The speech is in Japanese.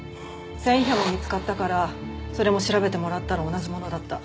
繊維片も見つかったからそれも調べてもらったら同じものだった。